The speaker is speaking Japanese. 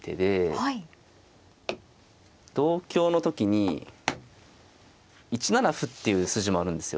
同香の時に１七歩っていう筋もあるんですよ。